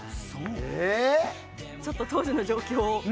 ちょっと当時の状況を詳しく。